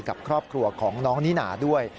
กับครอบครัวของน้องนิน่าด้วย